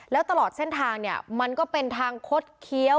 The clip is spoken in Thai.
แล้วตลอดเส้นทางเนี่ยมันก็เป็นทางคดเคี้ยว